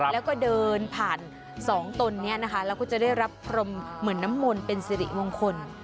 แล้วก็เดินผ่าน๒ตนนี้นะคะแล้วก็จะได้รับพรมเหมือนน้ำมนต์เป็นสิริมงคล